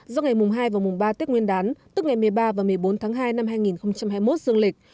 do ngày mùng hai và mùng ba tết nguyên đán tức ngày một mươi ba và một mươi bốn tháng hai năm hai nghìn hai mươi một dương lịch